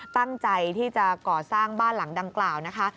ตั้งใจที่จะก่อสร้างบ้านหลังดังกล่าวนะคะ